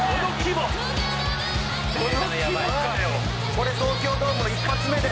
「これ東京ドームの一発目で」